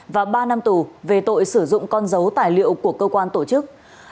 và ba năm tù về tội sử dụng con dấu tài liệu của cơ quan tổ chức